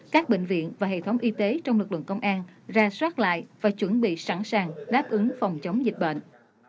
các bệnh viện và hệ thống y tế trong lực lượng công an ra soát lại và chuẩn bị sẵn sàng đáp ứng phòng chống dịch bệnh